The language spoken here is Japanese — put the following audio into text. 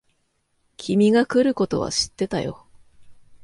君が来ることは知ってたよ。